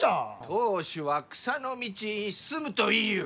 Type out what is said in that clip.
当主は草の道に進むと言いゆう！